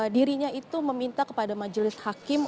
dirinya itu meminta kepada majelis hakim